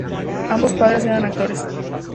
Ambos padres eran actores.